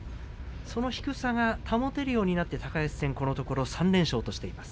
その低さが保てるようになって、この高安戦このところ３連勝としています。